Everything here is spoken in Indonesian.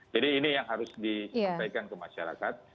jadi ini yang harus disampaikan ke masyarakat